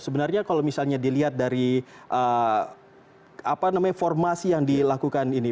sebenarnya kalau misalnya dilihat dari formasi yang dilakukan ini